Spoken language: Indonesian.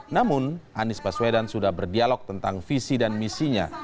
namun anies baswedan sudah berdialog tentang visi dan misinya